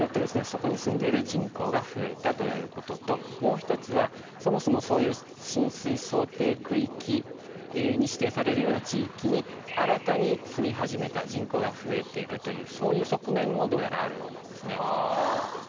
そこに住んでいる人口が増えたということともう一つはそもそもそういう浸水想定区域に指定されるような地域に新たに住み始めた人口が増えてるというそういう側面もどうやらあるようなんですね。